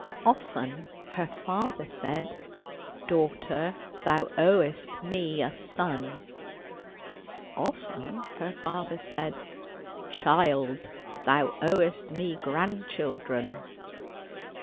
Often her father said :" Daughter, thou owest me a son." Often her father said :" Child, thou owest me grandchildren."